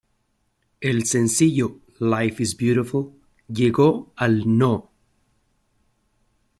El sencillo "Life is Beautiful" llegó al No.